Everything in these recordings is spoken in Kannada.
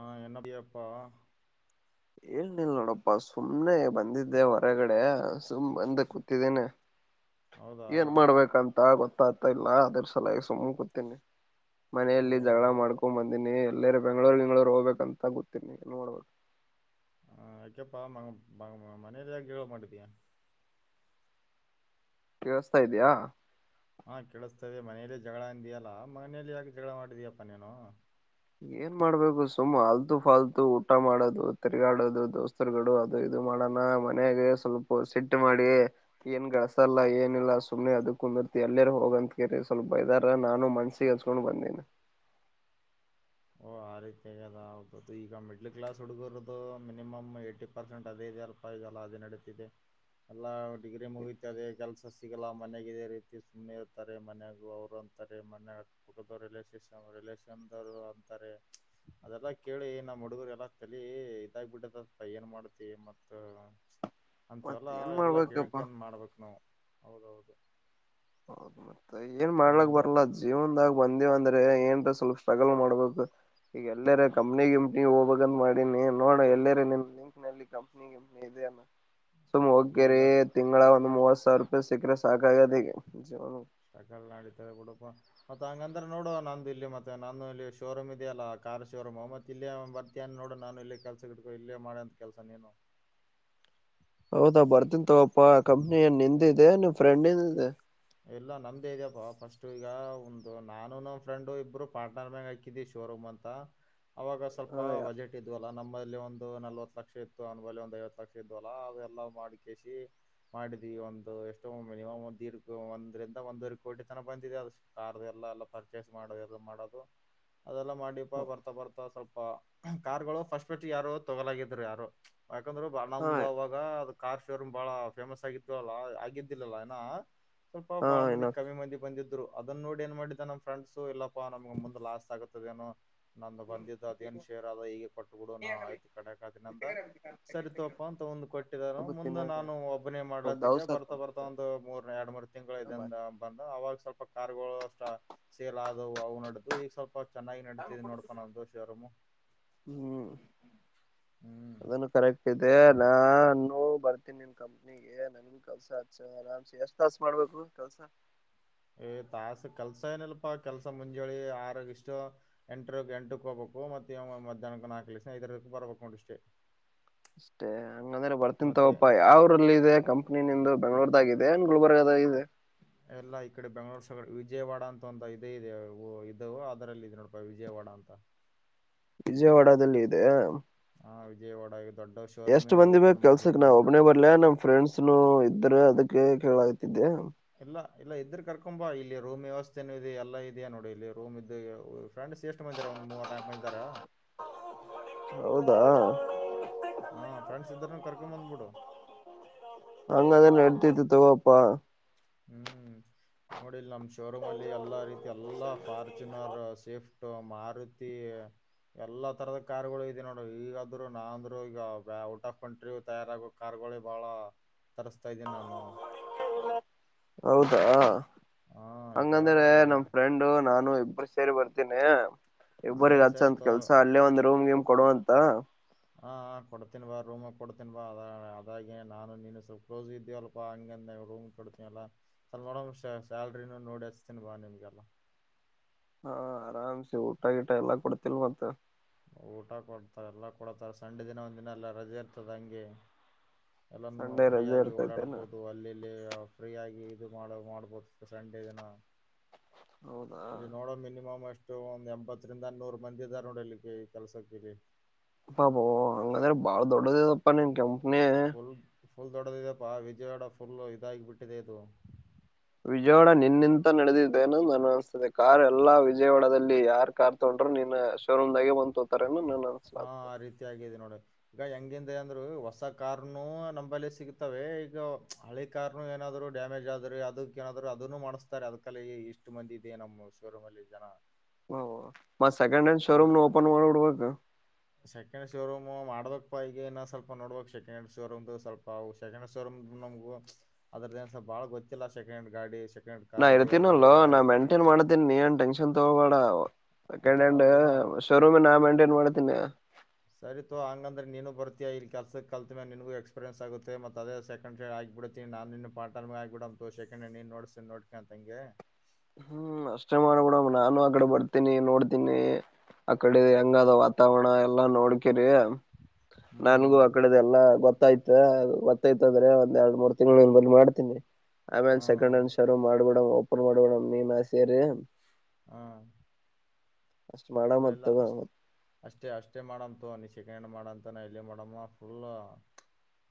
ಹಾ ಎನ ಅದಿಯಪ್ಪಾ ಏಳ್ನಿಲ್ಲ ನೋಡಪ್ಪಾ ಸುಮ್ಮನೆ ಬಂದಿದ್ದೆ ಹೊರಗಡೆ ಸುಮ್ ಬಂದ ಕೂತಿದ್ದೀನೀ ಹೌದಾ ಏನ್ ಮಾಡ್ಬೇಕಂತ ಆಗತ್ತ ಆತಾ ಇಲ್ಲಾ ಅದ್ರಸಲಾಗಿ ಸುಮ ಕುತೇನಿ ಮನೆಯಲ್ಲಿ ಓಹೋ ಜಗಳ ಮಾಡ್ಕೊಂಡ್ ಬಂದಿನಿ ಎಲ್ಲೇ ಬೆಂಗಳೂರ್ ಗಿಂಗಳೂರು ಹೋಗ್ಬೇಕ ಅಂತ ಕೂತಿ ನೀ ನೋಡಬೇಕ ಎಪ್ಪಾ ಮ ಮನೆಯೆಯಲ್ಲಿ [unintelligible] ಮಾಡಿದ್ದಯ ಕೆವಸ್ತಾ ಇದಿಯ್ಯಾ ಹಾ ಕೇಳಿಸ್ತದೆ ಮನೇಲಿ ಜಗಳ ಅಂದಿಯಲ್ಲಾ ಮನೇಲಿ ಯಾಕೆ ಜಗಳ ಮಾಡಿದಯಪ್ಪ ನೀನು ಏನ್ ಮಾಡ್ಬೇಕು ಸುಮ್ಮ್ ಆಲ್ತು ಫಾಲ್ತು ಊಟ ಮಾಡೋದು ತಿರ್ಗಾಡೋದು ದೋಸ್ತರುಗಳು ಅದು ಇದು ಮಾಡೋಣ ಮನ್ಯಾಗ ಸ್ವಲ್ಪ ಸಿಟ್ ಮಾಡಿ ಏನ್ ಗಳಸಲ್ಲ ಏನಿಲ್ಲ ಸುಮ್ನೆ ಅದ ಕುಂದಿರ್ತಿ ಎಲ್ಲರ್ ಹೋಗಂತಕರಿ ಸ್ವಲ್ಪ ಬೈದಾರ ನಾನು ಮನ್ಸಿಗೆ ಹಸ್ಕೊಂಡ್ ಬಂದೇನ. ಓಹ ಆ ರೀತಿ ಆಗ ಹೌದುದು ಈಗ ಮಿಡ್ಲ್ ಕ್ಲಾಸ್ ಹುಡುಗರದು ಮಿನಿಮಮ್ ಏಟಿ ಪರ್ಸೆಂಟ್ ಅದೇಲ್ಪ ಈಗಲ್ಲ ಅದೇ ನಡತಿದೆ ಎಲ್ಲಾ ಡಿಗ್ರಿ ಮುಗೀತಿ ಅದೇ ಕೆಲ್ಸ ಸಿಗಲ್ಲ ಮನೆಗೇ ಇದೆ ರೀತಿ ಸುಮ್ಮ್ನೆ ಇರ್ತಾರೆ ಮನ್ಯಾಗೂ ಅವರು ಅಂತಾರೆ ಮನಾಗ ರಿಲೇಶನ್ ರಿಲಷನ್ವರು ಅದೆಲ್ಲಾ ಕೇಳಿ ನಮ್ಮ್ ಹುಡುಗರು ಎಲ್ಲ ಕಲಿ ಇದಾಗ್ ಬಿಟ್ಟದತ್ತ ಏನ್ ಮಾಡತಿ ಏನ್ ಮಾಡ್! ! ಅಂತ ಮತ್ ಎಲ್ಲಾ ಏನ್ ಎಲ್ಲಾ ಮಾಡ್ಬೇಕಪ್ಪಾ ಕೇಳಿಕೊಂಡು ಮಾಡ್ಬೇಕಕ್ ನಾವು ಹೌದೌದು ಹೌದು ಮತ್ತೆ ಏನ್ ಮಾಡ್ಲಕ್ ಏನಾದ್ರು ಬರ್ಲ್ಲಾ ಜೀವನ್ದಾಗ ಒಂದೇ ಒಂದು ಏನ್ ಸ್ವಲ್ಪ ಸ್ಟ್ರೈಗಲ್ ಮಾಡ್ಬೇಕು ಈಗ ಎಲ್ಲರ ಕಂಪ್ನಿ ಕಂಪನಿ ಹೋಗ್ಬೇಕಂತ ಮಾಡಿನಿ ನೋಡ ಎಲ್ಲರ ನಿ ಲಿಂಕ್ ನಲ್ಲಿ ಕಂಪ್ನಿ ಕಂಪನಿ ಇದೆ ಅ ಸುಮಾ ಹೋಗಕೆರಿ ಇಲ್ಲೆಲ್ಲ ತಿಂಗಳ ಒಂದು ಮೂವತ್ತು ಸಾವಿರ ಸಾವಿ ರೂಪಾಯಿ ಸೀಕ್ರೆ ಸಾಕಾಗಿದೆ ಈಗ [unintelligible] ಸ್ಟಕಲ್ ನಡತವೆ ಗುಡಪ ಮತ್ ಹಂಗಂದ್ರ ನೋಡು ನಂದು ಇಲ್ಲಿ ಮತ್ತೆ ನಾನು ಇಲ್ಲಿ ಶೋರೂಮ್ ಇದೆಯಲ್ಲ ಕಾರ್ ಶೋರೂಮ್ ಅವ ಮತ್ತತ್ ಇಲ್ಲೇ ಬರ್ತಿನು ನೋಡು ನಾನು ಇಲ್ಲಿ ಕೆಲ್ಸ ಗಿಡ್ಕೋ ಇಲ್ಲೇ ಮಾಡ ಅಂತ ಕೆಲ್ಸ ನೀನು ಹೌದಾ ಬರ್ತಿನ್ಂತವಪ್ಪಾ ಕಂಪನೀ ಏನು ನಿಂದು ಇದೆ ನಿನ್ ಫ್ರೆಂಡ್ ನಿಂದು ಇದೆ ಎಲ್ಲ ನಮ್ದೇ ಇದೆಪ್ಪ ಫಸ್ಟ್ ಈಗ ಒಂದು ನಾನು ನಮ್ಮ್ ಫ್ರೆಂಡು ಇಬ್ರು ಪಾರ್ಟ್ನರ್ ಮ್ಯಂಗ್ ಹಾಕಿದಿ ಶೋರೂಮ್ ಅಂತ ಅವಾಗ ಸ್ವಲ್ಪ ಹಾ ಬಜೆಟ್ ಇದು ನಮ್ಮಲ್ಲಿ ಒಂದು ನಲ್ವತ್ ಲಕ್ಷ ಇತ್ತು ಅನ ಬಲ್ಲಿ ಒಂದ್ ಐವತ್ ಲಕ್ಷ ಇದ್ ಅಲ್ಲ ಅವೆಲ್ಲ ಮಾಡಿಸಿ ಮಾಡಿದ್ವಿ ಒಂದು ಎಷ್ಟೋ ಮಿನಿಮಂ ಒಂದಡ್ ಒಂದ್ರಂದ ಒಂದೂರೆ ಕೋಟಿ ತನ ಬಂದಿದೆ ಅ ಕಾರ್ ಎಲ್ಲ ಎಲ್ಲ ಪರ್ಚೇಸ್ ಮಾಡೋ ಎಲ್ಲ ಮಾಡೋದು ಅದೆಲ್ಲ ಮಾಡಿಪಾ ಬರ್ತಾ ಬರ್ತಾ ಸ್ವಲ್ಪ ಕಾರ್ಗಳು ಫಸ್ಟ್ಟ್ ಯಾರು ತೊಗೋಲಾಗಿದ್ರು ಯಾರು ಯಾಕಂದ್ರನಮ್ದ್ ಅವಾಗ ಅದ ಕಾರ್ ಶೋರ್ಮ್ ಬಾಳ ಫೇಮಸ್ ಆಗಿತ್ತು ಅಲ್ಲ ಆಗಿದ್ದಿಲ್ಲಲ್ಲ ಇನ್ನ ಸ್ವಲ್ಪ ಹಾ ಬಾಳ ಇನ್ನ ಮಂದಿ ಕಮ್ಮಿ ಮಂದಿ ಬಂದಿದ್ರು ಅದನ್ನ ನೋಡಿ ಏನ್ ಮಾಡಿದ್ದ ನಮ್ ಫ್ರೆಂಡ್ಸು ಇಲ್ಲಪ್ಪಾ ನಮ್ಗ ಮುಂದ್ ಲಾಸ್ ಆಗತ್ತದ ಏನೋ ನಂದು ಬಂದಿದ್ದ ಅದ ಏನ್ ಶೇರ್ ಅದ ಹೀಗೆ ಕೊಟ್ಟಬಿಡು ನ ಆಯ್ತು ಕಡೆಕ್ದಿನಂದ ಸರಿತಗಪ್ಪ ಅಂತ ಮುಂದ್ ಕೊಟ್ಟಿದಾರ ಮುಂದೆ ನಾನು ಒಬ್ಬ ಒಬ್ಬನೇ ಮಾಡ್ಲತಿದ್ದ ಬರ್ತಾ ಬರ್ತಾ ಒಂದು ಮೂ! ! ಎರಡ್ ತಿಂಗಳ ಇದಂದ ಬಂದ ಅವಾಗ ಸ್ವಲ್ಪ ಕಾರ್ಗಳು ಅಷ್ಟ ಸೇಲ್ ಆದವು ಅವು ನಡ್ದು ಈಗ ಸ್ವಲ್ಪ ಚೆನ್ನಾಗಿ ನಡತಿದ್ ನೋಡ್ಕೊಂಡ ಶೋರ್ರೋಮ್ ಹ್ಮ್ ಹ್ಮ್ ಅದನ್ನು ನಾನು ಬರ್ತೀನಿ ನಿನ್ ಕಂಪ್ನಿಗೆ ನನ್ ಕೆಲ್ಸ ಆರಸ ಎಷ್ಟ ತಾಸು ಮಾಡ್ಬೇಕು ಕೆಲ್ಸ ತಾಸ ಕೆಲ್ಸ ಏನಲ್ಪಾ ಕೆಲ್ಸ ಮುಂಜೋಳಿ ಆರಗ ಇಷ್ಟು ಎಂಟರ ಎಂಟಕ್ ಹೋಗ್ಬೇಕು ಮತ್ತ ಮಧ್ಯಾಹ್ನಕ್ ನಾಲ್ಕು ರಿಂದ ಐದು ಇದ್ದು ಬರ್ಬೇಕು ನೋಡು ಇಷ್ಟೇ ಅಷ್ಟೇ ಹಂಗಂದ್ರೆ ಬರ್ತನೀ ಮತ್ತೆ ತಕೊಪ್ಪ ಯಾವ್ರಲ್ಲಿ ಇದೆ ಕಂಪ್ನಿ ನಿಂದು ಬೆಂಗಳೂರು ಹಾಗೆ ಇದೆ ಗುಲ್ಬರ್ಗ ನಾಗ್ ಇದೆ ಎಲ್ಲಾ ಈ ಕಡೆ ಬೆಂಗ್ಳೂರ್ ಸಗಡೆ ವಿಜಯವಾಡ ಅಂತನೊಂದು ಹಳ್ಳಿ ಇದೆ ಇದು ಅದರಲ್ಲಿ ನೋಡಪ್ಪ ವಿಜಯವಾಡ ಅಂತ ವಿಜಯವಾಡದಲ್ಲಿ ಇದೆ ಹಾ ವಿಜಯವಾಡ ದೊಡ್ಡ ಎಷ್ಟ್ ಶೋರೂಮೇ ಮಂದಿ ಬೇಕು ಓಪನ್ ಮಾಡ್ಬಿಟ್ಟೆ ಕೆಲ್ಸಕ್ ನಾವ್ ನಾನು ಒಬ್ಬನೇ ಬರ್ಲ ನಮ್ ಫ್ರೆಂಡ್ಸ್ನು ಇದ್ರ ಅದಕ್ ಕೇಳಕತಿದ್ದೆ ಇಲ್ಲ ಇಲ್ಲ ಇದ್ರ ಕರ್ಕೊಂಬಾ ಇಲ್ಲಿ ರೂಮ್ ವ್ಯವಸ್ಥೆನು ಇದೆ ಎಲ್ಲಾ ಇದೆಯ ನೋಡಿ ಇಲ್ಲಿ ರೂಮ್ ಇದ ಫ್ರೆಂಡ್ಸ್ ಎಷ್ಟ್ ಮಂದಿಹಾದರ ಒಂದ್ ಮೂರ್ ನಾಕ ಮಂದಿಯಿದ್ದಾರ ಹೌದ ಹಾ ಫ್ರೆಂಡ್ಸ್ ಇದ್ರ ಕರ್ಕೊಬಂದ್ಬಿಡು ಹಾಗಂದ್ರೆ ನೆಡಿತೈತೆತಕೊಪ್ಪ ಹ್ಮ್ ಈಗ ನೋಡಿ ಇಲ್ಲಿ ನಮ್ಮ್ ಶೋರೂಮ್ ಅಲ್ಲಿ ಎಲ್ಲಾ ರೀತಿ ಎಲ್ಲಾ ಫಾರ್ಚುನರ್ ಸೇಫ್ಟ್ ಮಾರುತಿ ಎಲ್ಲಾ ತರದ ಕಾರ್ಗಳು ಇದ ನೋಡ ಈಗಾದ್ರು ನಾಂದ್ರು ಈಗ ಔಟ್ ಆಫ್ ಕಂಟ್ರಿ ತಯಾರಾಗೋ ಕಾರ್ಗಳು ಬಹಳ ತರ್ಸ್ತಾ ಇದ್ದೀನಿ ನಾನು ಹೌದ ಹಾ ಈಗ ಹಂಗಂದ್ರೆ ಜ- ನಮ್ ಫ್ರೆಂಡು ನಾನು ಇಬ್ಬರು ಸೇರಿ ಬರ್ತೀನ ಇಬ್ಬರಿಗ ಸರಿ ಸರಿ ಹಚ್ಚಂತ ತೋ ಕೆಲ್ಸ ಅಲ್ಲೇ ಒಂದ್ ರೂಮ್ ಗೀಮ್ ಕೊಡುವಂತ ರೂಮ ಕೊಡ್ತೀನ್ ಬಾ ಅ ಅದಾಗೆ ನಾನು ನೀನು ಸ್ವಲ್ಪ ಕ್ಲೋಸ್ ಇದ್ದೀವಲ್ಪಾ ಹಂಗಂದ ರೂಮ್ ಕೊಡ್ತೀನಲ್ಲ ಸ್ವಲ್ಪ ನಡ ಸ್ಯಾಲ್ರಿನೂ ನೋಡಸ್ತೀನ್ ಬಾ ನಿಮ್ಗೆಲ್ಲ ಆರಾಮ್ಸ ಊಟ ಗಟ ಎಲ್ಲಾ ಕೊಡ್ತಿಲ್ ಮತ್ತೆ ಊಟ ಕೊಡ್ತಾರ ಎಲ್ಲಾ ಕೊಡ್ತಾರ ಸಂಡೆ ದಿನ ಒಂದ್ ದಿನ ಎಲ್ಲ ರಜೆ ಇರ್ತದ ಹಂಗೆ ಎಲ್ಲಾನ ಸಂಡೆ ರಜೆ ಫ್ರೀಯಗಿ ಇರ್ತೈತೆೇನ ಓಡಾಡಬಹುದು ಅಲ್ಲಿಲ್ಲಿ ಫ್ರೀ ಆಗಿ ಇದು ಮಾಡ ಮಾಡ್ಬೋದು ಸಂಡೆ ದಿನ ಹೌದಾ ಇರಿ ನೋಡೋ ಮಿನಿಮಮ್ ಅಷ್ಟು ಎಷ್ಟ ಒಂದು ಎಂಬತ್ತರಿಂದ ಅನ್ನೂರು ಮಂದಿ ಇದ್ದಾರೋಡಲ್ಲಿ ಕೆಲ್ಸಕ್ಕೀರಿ ಅಬ ಅಂಗ ಬಾಳ ದೊಡ್ಡ ಪ್ಪಾನ ಕನ ಫುಲ್ ಫುಲ್ ದೊಡ್ಡದಿದೆಪ್ಪಾ ವಿಜಯವಾಡ ಫುಲ್ ಇದಾಗಿ ಬಿಟ್ಟಿದೆ ಇದು ವಿಜಯವಾಡ ನಿನ್ನಿಂತ ನಡೆದಿದ್ದೇನ ನನ್ ಅನ್ಸ್ತಿದೆ ಕಾರ್ ಎಲ್ಲಾ ವಿಜಯವಾಡದಲ್ಲಿ ಯಾರ್ ಕಾರ್ ತಗೊಂಡ್ರರು ನಿನ್ನ ಶೋರೂಮ್ದಾಗೆ ಬಂದ ತೋತಾರೆ ಹಾ ಆ ರೀತಿ ಆಗಿದೆ ನೋಡ ಈಗ ಹೆಂಗಿಂದ ಅಂದ್ರು ಹೊಸ ಕಾರ್ನುೂ ನಂಬಲ್ಲಿ ಸಿಗ್ತವೆ ಈಗ ಹಳಿ ಕಾರ್ನು ಏನಾದ್ರು ಡ್ಯಾಮೇಜ್ ಆದ್ರೆ ಅದ ಏನಾದ್ರು ಅದನ್ನು ಮಾಡಿಸ್ತಾರೆ ಅದ್ಕಲ್ಲಿ ಇಷ್ಟು ಮಂದಿ ಇದೆ ನಮ್ಮ್ ಶೋರೂಮ್ ಅಲ್ಲಿ ಜನ ಓ ಮ ಸೆಕಂಡ ಹ್ಯಾಂಡ್ ಹ ಶೋರುೂಮ ನ ಓಪನ್ ಮಾಡರಬೇಕ ಸೆಕೆಂಡ್ ಶೋರೂಮ್ ಮಾಡದಕ್ ಪಗಏ ಸ್ವಲ್ ನೋಬಬೇಕು ಸಕೆಂಡ್ಂಡ್ ಶೋರೂಮ್ ಸ್ವಲ್ಪ ಸೆಕೆಂಡ್ ಶೋರೂಮ್ ನಮಗು ಅದನ್ ಬಹಳ ಗೊತ್ತಿಲ್ಲ ಸೆಕಂಡ್್ಯಾಂಡ್ ಗಾಡಿ ಹ್ಯಾಂಡ್ ನಾ ಕಾರ್ದು ಅದು ಇರ್ತೀನಲ್ ಏ- ಯಾವ ನಾ ರೀತಿ ಮೆಂಟೈನ್ ಮಾಡತೀನಿ ಏನ್ ಟೆನ್ಷನ್ ತೊಗೋೇಡ ಸೆಕೆಂಡ್್ಯಾಂಡ್ ಹೌದು ಶೋರೂಮ್ ನಾ ಮೈಂಟೈನ್ ಮಾಡತೀನಿ ಸರಿತು ಹಂಗಂದೆ ನೀನು ಬರ್ತೀಯ ಇಲ್ಲಿಲ್ಸಕ್ಕೆಲ್ ಮೇೆ ನಿನಗೂ ಎಕ್ಪೀರಿನ್ಸ್ ಆುತ್ತೆ ಮತ್ತು ಅದ ಸೆಕೆ್ ಹೇ ಆಗಿಬಿಡ್ತೀನಿ ನು ನಿನು ಪಾರ್ಟ್ ರ್ಮ್ ಆಗಿಬಿಡಂತು ಸಕೆಂಡ್ ಹ್ಯಾಂಡ್ ನೀನುೋಡ್ತೀಿ ನೋಡ್ಕೊ ಅಂತಂಗೆ ಹ್ಮ್ ಅಷ್ಟೇ ಮಾಡಬ ಬಿಡ ನಾನು ಆಗಡೆ ಬರ್ತೀನಿ ನೋಡ್ತೀನಿ ಅಕಡೆ ಹೆಂಗಾದ ವಾತಾವರಣ ಎಲ್ಲಾ ನೋಡ್ಕರಿ ಹ್ಞೂ ನನ್ಗೂ ಹ್ಞೂ ಆ ಕಡೆದಲ್ಲಾ ಗೊತ್ತಾಯ್ತು ಗತ್ತಾಯ್ತದ್ರೆ ಒಂದ್ ಎರಡ್ ಮೂರ್ ತಿಂಗಳು ಬ ಮಾಡ್ತೀನಿ ಆಮೇ ಸೆಕಂಡ್ ಹಾಂ ಹ್ಯಾಂಡ್ ಶರು ಮಾಡಬ ಬಿಡ ಪ ಮಾಡಡ ಮೇ ಮಾಸೆರು ಹಾ ಅಷ್ಟ್ ಇಲ್ಲ ಮಾಡಮತ್ ಇಲ್ಲ ತಗೋ ಅಷ್ಟ ಅಷ್ಟೇ ಅಷ್ಟೇ ಮಾಡಂತು ಅನಿಸ ಚಿಕಣ ಮಾಡಂತ ಎಲ್ಲಿ ಮಾಡಮ್ಮ ಫುಲ್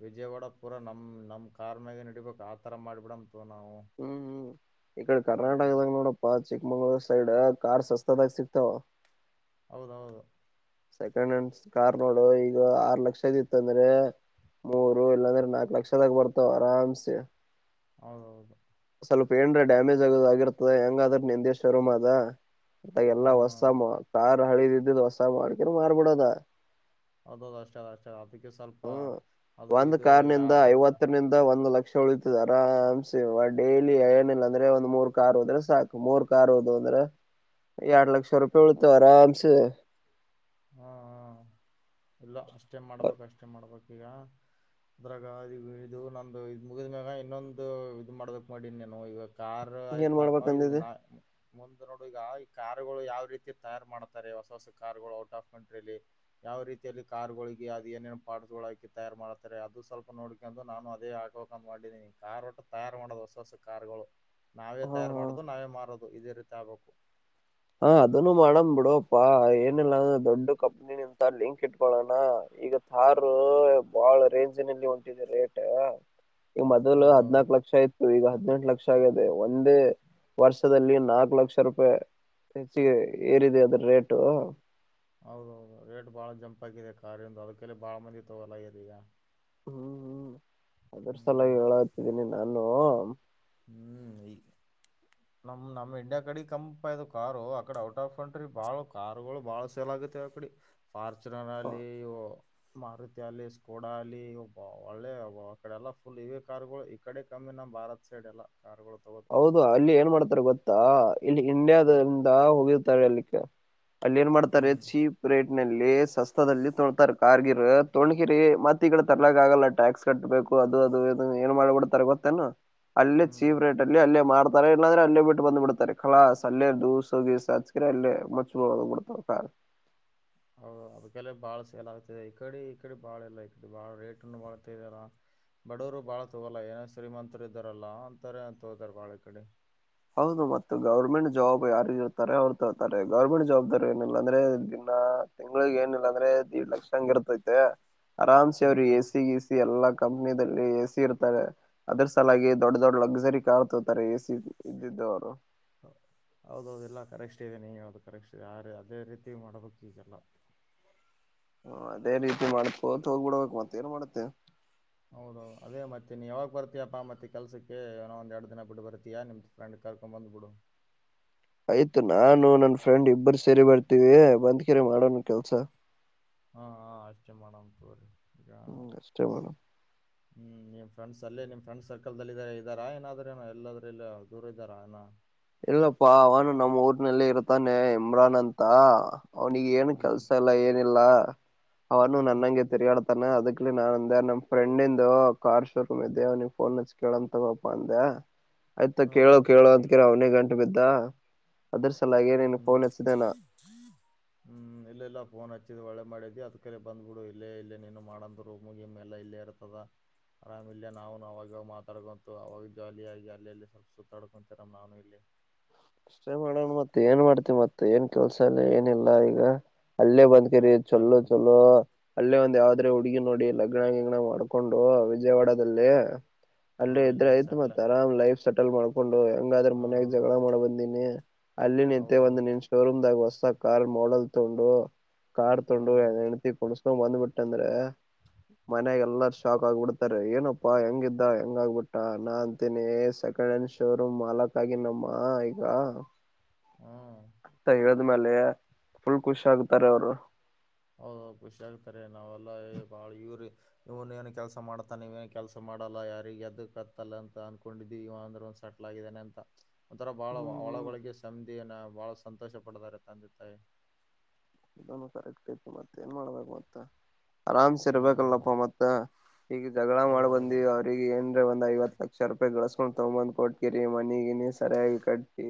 ವಿಜಯವಾಡ ಪೂರ ನಮ್ ನಮ್ಮ್ ಕಾರ್ ಮಾಗ ನಡಿಬೇಕು ಆತರ ಮಾಡ್ಬಿಡಮ ಹ್ಮ್ ಹ್ಮ್ ಇಡೆ ಹ್ಮ್ ಕರ್ನಾಟಕದಂಗ ನೋಡಪ್ಪ ಚಿಕ್ಕಮಂಗ್ಳೂರು ಸೈಡ್ ಕಾರ್ ಸಸ್ತದಾಗ ಸಿಕ್ತಾವ ಹೌದೌದು ಸೆಕೆಂಡ್ ಹ್ಯಾಂಡ್ ಕಾರ್ ನೋಡು ಈಗ ಆರ್ ಲಕ್ಷದ ಇತ್ತಂದ್ರೆ ಮೂರು ಇಲ್ಲಾಂದ್ರೆ ನಾಕ ಲಕ್ಷದಾಗ ಬರ್ತಾವ ಆರಾಮ್ಸೆ ಹೌದೌದು ಸ್ವಲ್ಪ ಏನ್್ರ ಡ್ಯಾಮೇಜ್ ಆಗೋ ಆಿರ್ತದ ಹೆಂಗ ಆದ್ರೆ ನಿಂದಷ್ಟ ಅರೋ್ ಅ ಅದಾಗ ಎಲ್ಲಾ ಹೊಸ ಹ್ಮ್ ಳಿ ದಿದ್ದಿ ದ ಹಸ್ಸ ಮಾಡಾಣಕ ಮಾರ್ಬಡದ ಹಬ್ಬ ಕಷ್ಟ ಕಷ್ಟ ಹ ಅದಕ್ಕೆ ಸ್ವಲ್ಪ ಹ್ಮ್ ಅದು ಒಂದ್ ಇದು ಕಾರ್ನಿಂದ ಯಾವುದು ಐವತ್ತರಿಂದ ಒಂದ್ ಲಕ್ಷ ಉಳಿತದ ಆರಾಮ್ಸೆ ಡೈಲಿ ಏನಿಲ್ಲ ಅಂದ್ರೆ ಒಂದ್ ಮೂರ್ ಕಾರ್ ಹೋದ್ರೆ ಸಾಕು ಮೂರ್ ಕಾರ್ ಹೋದು ಅಂದ್ರೆ ಎರಡ್ ಲಕ್ಷ ರೂಪಾಯಿ ಉಳಿತವ ಆರಾಮ್ಸೆ. ಹ್ಮ ಹ್ಮ ಎಲ್ಲ ಅಷ್ಟ ಅಷ್ಟೇ ಮಾಡ್ಬೇಕು ಅಷ್ಟೇ ಮಾಡ್ಬೇಕು ಈಗ ಅದ್ರಾಗ ಈಗ ಇದು ನಂದು ಇದು ಮುಗಿದ ಮ್ಯಾಗ ಇನ್ನೊಂದು ಇದು ಮಾಡ್ಬೇಕ್ ಮಾಡೀನಿ ನಾನು ಈವಾಗ ಕಾರೂ ಏನ್ ಐತ್ರ್ಪಾಯಿ ಇದಿಗ್ ಮಾಡ್ಬೇಕಂದಿದೆ ನಾ ಮುಂದ್ ನೋಡು ಈಗ ಈ ಕಾರಗಳು ಯಾವ ರೀತಿ ತಯಾರ್ ಮಾಡ್ತಾರೆ ಹೊಸ ಹೊಸ ಕಾರಾರ್ಗಳು ಔಟ್ ಅಫ್ ಕಂಟ್ರಿಲ್ಲಿ ಯಾವ ರೀತಿಯಲ್ಲಿ ಕಾರ್ಗಳಿಗೆ ಅದು ಏನೇನ್ ಪಾರ್ಟ್ಸ್ ಹಾಕಿ ತಯಾರ್ ಮಾಡ್ತಾರೆ ಅದು ಸ್ವಲ್ಪ ನೋಡ್ಕೊಂಡು ನಾನು ಅದೇ ಹಾಕೋಂತ ಮಾಡಿದೀನಿ ಕಾರ್ ಒಟ್ಟು ತಯಾರ್ ಮಾಡೋದು ಹೊಸ ಹೊಸ ಕಾರ್ಗಳು ನಾವೇ ಹಾ ತಯಾರ್ ಮಾಡೋದು ನಾವೇ ಮಾರೋದು ಇದೇ ರೀತಿ ಆಗ್ಬೇಕು. ಹಾ ಅದನ್ನು ಮಾಡಮ್ ಬಿಡುಪ್ಪಾ ಏನಿಲ್ಲಂದ್ರ ದೊಡ್ಡ ಕಂಪ್ನಿಂತ ಲಿಂಕ್ ಇಟ್ಕೊಳೋಣ ಈಗ ತಾರ್ ಬಾಳ್ ರೇಂಜ್ ನಲ್ಲಿ ಹೊಂಟಿದೆ ರೇಟ್. ಈ ಮೊದಲು ಹೌದೌದು ಹದ್ನಾಕಕ್ ಲಕ್ಷ ಆ ಇತ್ತು ಈಗ ಹದ್ನಂಟ್ ಲಕ್ಷ ಒಂದೇ ವರ್ಷದಲ್ಲಿ ನಾಲ್ಕು ಲಕ್ಷ ರೂಪಾಯಿ. ಹೆಚ್ಚಿಗೆ ಏರಿದೆ ಅದ್ರ ರೇಟು. ಹೌದೌದು ರೇಟ್ ಬಾಳ ಜಂಪ್ ಆಗಿದೆ ಕಾರಿಂದು ಅದಕ್ಕೆಲ್ಲಿ ಬಾಳ ಮಂದಿ ತಗೋಲ್ಲ ಆಗಿದೆ ಈಗ ಹ್ಮ್ ಹ್ಮ್ ಅದ್ರ ಹ್ಮ್ ಸಲವು ಹೇಳತಿದ್ದೀನಿ ನಾನು ಹ್ಮ್ ಹ್ಮ್ ಈ ನಮ್ ನಮ್ ಇಂಡಿಯಾ ಕಡೆ ಕಪ ಇ ಕಾರು ಅಕಡೆ ಔಟ್ ಆಫ್ ಕಂಟ್ರಿ ಬಾಳ ಕಾರುಗಳು ಬಾಳ ಸೇಲ್ ಆಗುತ್ತಿವ ಅಕಡೆ ಫಾರ್ಚುನರ್ ಅಲ್ಲಿ ಇ ಮಾರುತಿ ಅಲ್ಲಿ ಸ್ಕೋಡ ಅಲ್ಲಿ ಒಳ್ಳೆ ಅಡೆಲ್ಲ ಫುಲ್ ಇವೇ ಕಾರ್ಗಳು ಈ ಕಡೆ ಕಮ್ಮಿ ನಮ್ ಭಾರತ್ ಸೈಡ್ ಎಲ್ಲ ಕಾರ್ಗಳು. ಹೌದು ಅಲ್ಲಿ ಏನ್ ಮಾಡ್ತಾರೆ ಗೊತ್ತಾ ಇಲ್ಲಿ ಹ್ಮ್ ಇಂಡಿಯಾದಿಂದ ಹೋಗಿರ್ತಾರೆ ಅಲ್ಲಿ. [unintelligible] ಅಲ್ಲಿ ಏನ್ ಮಾಡ್ತಾರೆ ಹ್ಮ್ ಚೀಪ್ ರೇಟ್. ನಲ್ಲಿ ಸಸ್ತದಲ್ಲಿ ತೊಕೋತಾರೆ ಕಾರ್ಗಿರ್ ತೊಣ್ಗಿರಿ ಮತ್ತ ಈ ಕಡೆ ತರ್ಲಕ್ಕ ಆಗಲ್ಲ ಟ್ಯಾಕ್ಸ್ ಕಟ್ಬೇಕು ಅದು ಅದು ಏನ್ ಮಾಡಬಿಡ್ತಾರೆ ಗೊತ್ತೇನು ಅಲ್ಲೇ ಹ್ಮ್ ಚೀವ್ ರೇಟ್. ಅಲ್ಲೇ ಮಾಡ್ತಾರೆ ಇಲ್ಲಂದ್ರೆ ಅಲ್ಲೇ ಬಿಟ್ಟು ಬಂದ್ ಬಿಡ್ತಾರೆ ಕಳಾಸ್ ಅಲ್ಲೆ ದೂಸ ಗೀಸ ಹಚ್ಕ್ರೆ ಅಲ್ಲೇ ಮುಚ್ಚ ಬಿಡ್ತಾವ ಕಾರು. ಹೌದ ಅದಕ್ಕೆಲ್ಲ ಬಾಳ ಸೇಲ್ ಆಗ್ತಿದೆ ಈಕಡೆ ಈಕಡೆ ಬಾಳ ಇಲ್ಲ ಈಡೆ ಬಾಳ ರೇಟ್ನ್ನು ಬಾಳ್ತಲ್ಲ ಬಡವರು ಬಾಳ ತಗೋಲ್ಲ ಏನೋ ಶ್ರೀಮಂತರು ಇದ್ದಾರಲ್ಲ ಅಂತಾರೆ ತಗೊತಾರೆ ಬಾಳ ಈ ಕಡೆ. ಹೌದು ಮತ್ ಗವರ್ನಮೆಂಟ್ ಜಾಬ್ ಯಾರಿಗ ಇರ್ತಾರೆ ಅವ್ರು ತರ್ತಾರೆ ಗವರ್ನಮೆಂಟ್ ಜಾಬ್ ದರೆ ಏನಿಲ್ಲಾಂದ್ರೆ ದಿನ ತಿಂಗಳಗ್ ಏನಿಲ್ಲಾಂದ್ರೆ ದೇಡ್ ಲಕ್ಷ ಹಂಗ ಇರ್ತೈತೆ. ಆರಾಮ್ಸೆ ಅವ್ರು ಹ್ಮ್ ಎ ಸಿ ಗಿ ಸಿ ಎಲ್ಲ ಕಂಪ್. ದಲ್ಲಿ ಎ ಸಿ ಇರ್ತಾರೆ ಅದ್ರ ಸಲಾಗಿ ದೊಡ್ ದೊಡ್ಡ ಲಕ್ಸರಿ ಕಾರ್ ತೋರ್ತಾರೆ ಎಸಿದು ಇದ್ದಿದ್ದವರು ಹೌದೌದು ಇಲ್ಲ ಕರೆಕ್ಟ್ ಇದೆ ನೀ ಹೇಳದು ಕರೆಕ್ಟ್ ಇದೆ ಆ ರೀ ಅದೇ ರೀತಿ ಮಾಡಬೇಕು ಈಗೆಲ್ಲ. ಹ ಅದೇ ರೀತಿ ಮಾಡ್ಕೋತ್ ಹೋಗ್ಬಿಡ್ಬೇಕು ಮತ್ತ ಏನ್ ಮಾಡ್ತ್ತಿಯ. ಹೌದು ಅದೇ ಮತ್ತೆ ನೀ ಯಾವಾಗ ಬರ್ತಿಯಯಪ್ಪಾ ಮತ್ತೆ ಕೆಲ್ಸಕ್ಕೆ ಏನೋ ಒಂದ್ ಎರಡು ದಿನ ಬಿಟ್ಟ ಬರ್ತಿಯ ನಿಮ್ದ ಫ್ರೆಂಡ್ ಕರ್ಕೊಂಡ್ ಬಂದ್ಬಿಡು. ಆಯ್ತು ನಾನು ನನ್ ಫ್ರೆಂಡ್ ಇಬ್ಬರು ಸೇರಿ ಬರ್ತೀವಿ ಬಂದ್ಕರೆ ಮಾಡೋಣ ಕೆಲ್ಸ. ಹಾ ಹಾ ಅಷ್ಟೇ ಮಾಡಂ ತೋರಿ. ಈಗ ಹ್ಮ್ ಅಷ್ಟೇ ಹ್ಮ ಮೇಡಮ್ ನಿಮ್ ಫ್ರೆಂಡ್ಸ್ ಅಲ್ಲೇ ನಿಮ್ ಫ್ರೆಂಡ್ಸ್. ಸರ್ಕಲ್ ದಲ್ಲಿಲ್ಲ ಇದಿದ್ದಾರೆ ಇದ್ದಾರಾ ಏನಾದ್ರನ ಎಲ್ಲಾದ್ರಲ್ಲ ದೂರ ಇದ್ದಾರ ಏನು ಇಲ್ಲಪ್ಪಾ ಅವನು ನಮ್ಮ ಊರ್ನಲ್ಲಿ ಇರ್ತಾನೆ ಇಮ್ರಾನ್ ಅಂತ ಅವನಿಗೆ ಏನು ಅವ್ರ್ ನಿಮ್ ಕೆಲ್ಸ ಇಲ್ಲ ಏನಿಲ್ಲ ಅವನು ಹ್ಮ್ ಹ್ಮ್ ನನ್ನಂಗೆ ತಿರಿಗಾಡ್ತಾನೆ ಅದಕ್. ನಾನ್ ಅಂದೆ ನಮ್ ಫ್ರೆಂಡ್ ಇಂದು ಕಾರ್ ಶೋರೂಮ್ ಇದ್ದೆ ನೀ ಫೋನ್ ಹಚ್ ಕೇಳಣ ತಗೋಪ ಅಂದೆ. ಆಯ್ತಾ ಕೇಳೋ ಹ್ಮ್ ಕೇಳೋ ಅಂತ ಅವುನೇ ಗಂಟೆ ಬಿದ್ದ ಸಲಾಗಿ ಹ್ಮ್ ನೀನ್ ಫೋನ್ ಹ್ಮ್ ಹಚ್ಚಿದೆ ನಾ ಹ್ಮ್ ಇಲ್ಲ ಇಲ್ಲಾ ಪನ್ [inaudible] ಹಚ್ಚಿದ ಒಳ್ಳೆ ಮಾಡಿದ್ವಿ ಅದ ಕಡೆ ಬಂದ್ಬಿಡು. ಇಲ್ಲೇ ಇಲ್ಲೇ ನೀನು ಮಾಡಂದು ರೂಮ್ ಗಿಮ್ಮೆಲ್ಲ ಇಲ್ಲೇ ಇರ್ತದ ಆರಾಮ ಇಲ್ಲ. ನಾನು ಅವವಾಗ ಮಾತಾಡ್ಕೊಂತು ಅವಾಗ ಜಾಲಿಯಾಗಿ ಅಲ್ಲಲ್ಲಿ ಸ್ವಲ್ಪ ಸುತ್ತಾಡ್ಕೊಂತರ. ನಾನು ಇಲ್ಲಿ ಅಷ್ಟೇ ಮಾಡೋಣ ಮತ್ತೆ ಏನ್ ಮಾಡ್ತಿ ಮತ್ತೆ ಏನ್ ಕೆಲ್ಸ ಅಲ್ಲ ಏನಿಲ್ಲ ಈಗ. ಅಲ್ಲೇ ಬದ್ಕಿರಿ ಇಲ್ಲ ಚೊಲ್ಲೋ ಕೆಲ್ -ಚೊಲ್ಲೋ ಅಲ್ಲೇ ಒಂದ್ ಯಾವ್ದರ ಅಲ್ಲೇ ಹುಡುಗಿ ನೋಡಿ ಲಗ್ನ ಗಿಗ್ನ ಮಾಡ್ಕೊಂಡು ಎಂಜಾಯ್ ಮಾಡದಲ್ಲಿ. ಹಾ ಅಲ್ಲೆ ಇಲ್ಲೇ ಇದ್ರಾಯ್ತ್ ಸೆಟ್ಲ್ ಮತ್ ಆರಾಮ್ ಲೈಫ್ ಸೆಟಲ್ ಮಾಡ್ಕೊಂಡು. ಹೆಂಗಾದ್ರ ಹಾ ಮನ್ಯಾಗ ಜಗಳ ಮಾಡಬ ಅಲ್ಲಿ ನಿಂದೆಒಂದು ಹೌದೌದು ನಿನ್ ಶೋರೂಮ್ ದಾಗ ಹೊಸ್, ಕಾರ್ ಮಾಡಲ್ ತಗೊಂಡು. ಕಾರ್ ತಗೊಂಡು ಹ್ಮ್ ಹೆಂಡತಿ ಕೊಂದ್ರಸಗಂಡ ಬಂದ್ಬಿಟ್ಟ, ಏಕಂದ್ರೆ ಮನೆಯಾಗಎಲ್ಲಾರ ಶಾಕ್ ಆಗ್ಬಿಡ್ತಾರೆ. ಏನಪ್ಪಾ ಹೆಂಗಿದ್ದ ಹೆಂಗ ಆಗ್ಬಿಟ್ಟ, ನಾ ಅಂತೀನಿ ಸೆಕೆಂಡ್ ಹ್ಯಾಂಡ್ ಶೋರೂಮ್ ಮಾಲಕ್ ಆಗಿನಪ್ಪ. ನಮ್ಮ ಹಾ, ಹ್ಮ್ ಸರಿವ [unintelligible] ಆದ್ಮೇಲೆ ಫುಲ್ ಖುಷ ಆಗ್ತಾರೆ ಅವರು. ಹೌದಹೌದಖುಷಿ ಆಗ್ತಾರೆ ನಾವೆಲ್ಲ ಬಾಳ ಇವ್ರ ಇವನ್ ಏನು ಕೆಲ್ಸ ಮಾಡ್ತನ್ ಇವು ಏನ್ ಕೆಲ್ಸ ಮಾಡಲ್ಲ ಯಾರಿಗೆ ಅದಕ್ ಕತ್ತಲ್ಲ ಅಂತ ಅನ್ಕೊಂಡಿದ್ದೀವಿ ಇವ ಅಂದ್ರ ಒಂದ ಸೆಟ್ಲ್ ಆಗಿದ್ದಾನೆ ಅಂತ‌‌ ಒಂತರ ಬಹಳ ಹ್ಮ್ ಹ್ಮ್ ಒಳಗೊಳಗೆ ಸಂಧಿನಾ,,, ಬಹಳ ಸಂತೋಷ ಪಡ್ದಾರೆ ತಂದೆ ತಾಯಿ,, ಇದನ್ನು ಕರೆಕ್ಟ್ಇತ್ತು ಮತ್ತೆ ಏನ್ ಮಾಡ್ಬೇಕು ಮತ್ತ,, ಆರಾಮ್ಸ ಹ್ಮ್ ಹ್ಮ್ ಇರ್ಬೇಕಲ್ಲಪ್ಪ ಮತ್ ಈಗ ಜಗಳ ಮಾಡ್ ಹೌದೌದೌದು ಬಂದಿವ ಅವ್ರಿಗೆ ಏನ್ರೀ ಒಂದ್ ಐವತ್ ಲಕ್ಷ,, ಲಕ್ಷ ರೂಪಾಯಿ ಗಳಸ್ಕೊಂಡ್ ತಗಂದ್ ಕೊಟ್ಕಿರಿ ಮನಗಿನ ಸರಿಯಾಗಿ ಕಟ್ಟಿ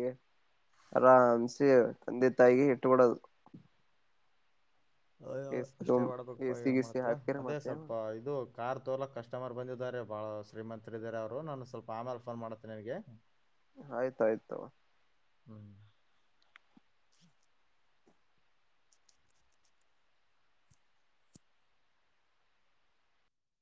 ಆರಾಮನ್ಸಿ ತಂದೆ ತಾಯಿಗೆ ಇಟ್ಬಿಡೋದು, ಅಯ್ಯೋ ಎಸಿ ಅಷ್ಟೇ ರೂಮ್ ಮಾಡಬೇಕ ಎಸಿ ಏನ್ ಗಿಸಿ ಮಾಡ್ತೀಯ. ಹಾಕಿರ ಅದೇ ಮತ್ತೆ ಸ್ವಲ್ಪ ಇದು ಕಾರ್ ತೋಗಕ್ ಕಸ್ಟಮರ್ ಬಂದಿದ್ದಾರೆ. ಹಾ, ಶ್ರೀಮಂತರ ಇದಾರೆ ಅವರು. ನಾನು ಸ್ವಲ್ಪ ಆಮೇಲೆ ಫೋನ್ ಮಾಡ್ತೇನೆ ನಿನ್ಗೆ. ಆಯ್ತಾಯ್ತು. ಹ್ಮ್,